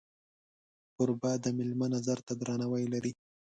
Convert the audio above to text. کوربه د میلمه نظر ته درناوی لري.